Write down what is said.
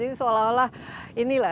jadi seolah olah inilah